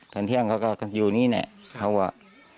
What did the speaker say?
ตอนเที่ยงเขาก็อยู่นี่แหละเขาก็